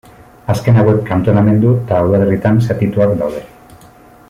Azken hauek kantonamendu eta udalerritan zatituak daude.